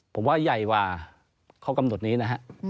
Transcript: ผมว่าใหญ่กว่าข้อกำหนดนี้นะฮะ